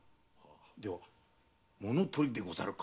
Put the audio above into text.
では物盗りでござるか？